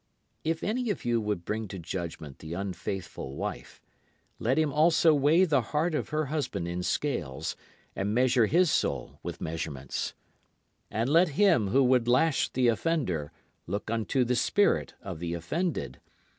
If any of you would bring to judgment the unfaithful wife, Let him also weigh the heart of her husband in scales, and measure his soul with measurements. And let him who would lash the offender look unto the spirit of the offended.